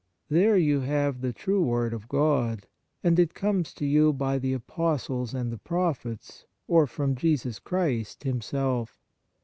There you have the true word of God, and it comes to you by the Apostles and the Prophets, or from Jesus Christ Himself.